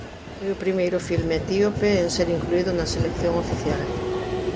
Foi o primeiro filme etíope en ser incluído na Selección Oficial.